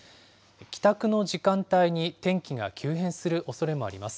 帰宅の時間帯に天気が急変するおそれもあります。